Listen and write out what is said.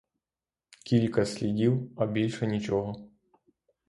Кілька слідів, а більше нічого.